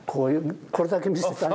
これだけ見せたんじゃ。